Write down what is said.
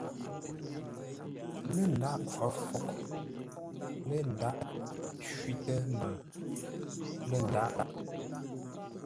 Lə̂ ndâghʼ ńkhwǒr fwôghʼ, lə̂ ndâghʼ shitə́ mbəʉ, lə̂ ndâghʼ.